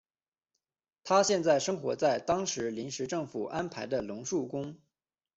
他现在生活在当时临时政府安排的龙树宫。